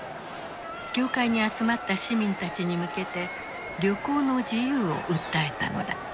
教会に集まった市民たちに向けて旅行の自由を訴えたのだ。